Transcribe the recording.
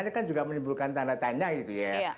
ini kan juga menimbulkan tanda tanya gitu ya